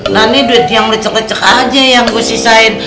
nah ini duit yang ngecek lecek aja yang gue sisain